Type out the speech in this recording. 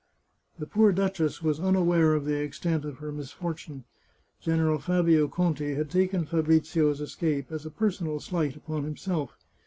The poor duchess was unaware of the extent of her mis fortune. General Fabio Conti had taken Fabrizio's escape as a personal slight upon himself.